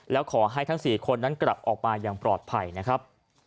แล้วขอให้ทั้ง๔คนนั้นกลับออกมาอย่างปลอดภัยนะครับ